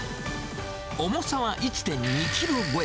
重さは１．２キロ超え。